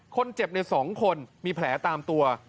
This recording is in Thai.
คนเจ็บใน๒คนมีแผลตามตัว